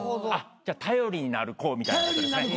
じゃあ頼りになる子みたいな。